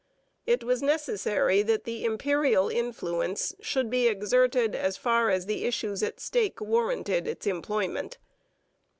It was necessary that the Imperial influence should be exerted as far as the issues at stake warranted its employment.